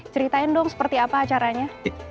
ceritakan seperti apa acaranya